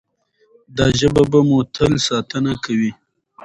دا ژبه به مو تل ساتنه کوي.